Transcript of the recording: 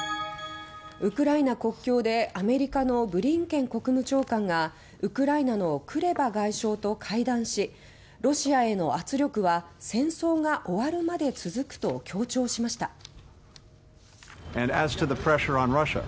アメリカのブリンケン国務長官はウクライナのクレバ外相と会談し「ロシアへの圧力は戦争が終わるまで続く」と強調しました。